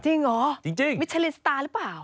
จริงเหรอมิชลินส์สตาร์หรือเปล่าจริง